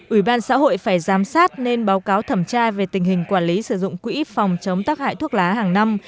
ủy ban xã hội phải giám sát nên báo cáo thẩm tra về tình hình quản lý sử dụng quỹ phòng chống tác hại thuốc lá hàng năm